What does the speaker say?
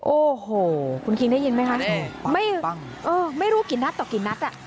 โอ้โหคุณคิงได้ยินไหมคะไม่รู้กี่นัดต่อกี่นัดอ่ะ